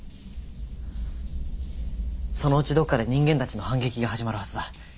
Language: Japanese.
そのうちどっかで人間たちの反撃が始まるはずだ。